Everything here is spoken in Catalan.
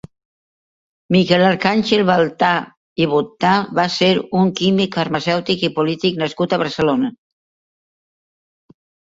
Miquel Arcàngel Baltà i Botta va ser un químic, farmacèutic i polític nascut a Barcelona.